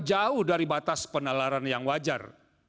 jauh dari batas penalaran yang wajar